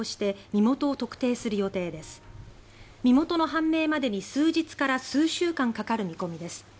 身元の判明までに数日から数週間かかる見込みです。